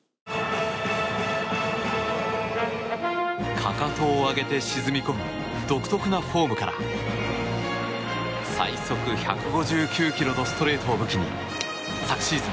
かかとを上げて沈み込む独特なフォームから最速１５９キロのストレートを武器に昨シーズン